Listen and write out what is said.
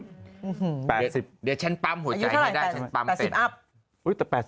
เดี๋ยวฉันปั๊มโหใจให้ได้